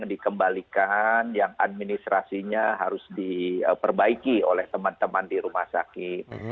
dikembalikan yang administrasinya harus diperbaiki oleh teman teman di rumah sakit